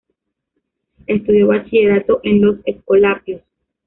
Estudió bachillerato en los escolapios.